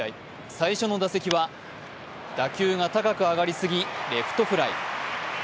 最初の打席は打球が高く上がりすぎ、レフトフライ。